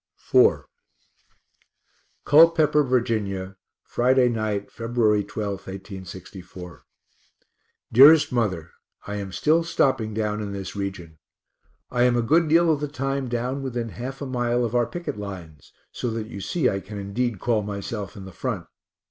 IV Culpepper, Virginia, Friday night, Feb. 12, 1864. DEAREST MOTHER I am still stopping down in this region. I am a good deal of the time down within half a mile of our picket lines, so that you see I can indeed call myself in the front.